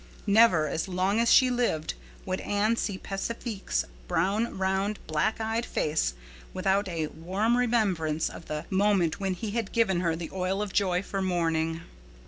Never, as long as she lived, would Anne see Pacifique's brown, round, black eyed face without a warm remembrance of the moment when he had given to her the oil of joy for mourning.